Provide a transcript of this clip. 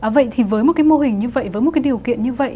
vậy thì với một cái mô hình như vậy với một cái điều kiện như vậy